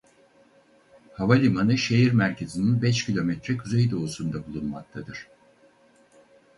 Havalimanı şehir merkezinin beş kilometre kuzeydoğusunda bulunmaktadır.